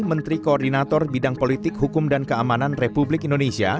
menteri koordinator bidang politik hukum dan keamanan republik indonesia